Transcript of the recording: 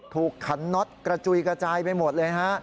ขันน็อตกระจุยกระจายไปหมดเลยฮะ